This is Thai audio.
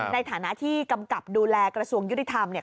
ในฐานะที่กำกับดูแลกระทรวงยุติธรรม